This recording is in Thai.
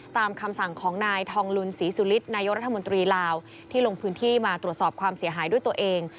ตามคำสั่งของนายทองลุนศรีสุฤทธินายกรัฐมนตรีลาวที่ลงพื้นที่มาตรวจสอบความเสียหายด้วยตัวเอง